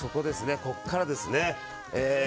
ここからですね。